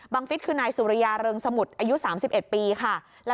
ฟิศคือนายสุริยาเริงสมุทรอายุ๓๑ปีค่ะ